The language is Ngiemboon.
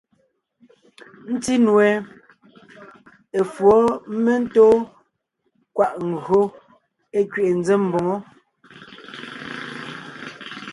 Ńtí nue, efǔɔ mentóon kwaʼ ńgÿo é kẅiʼi ńzém mboŋó.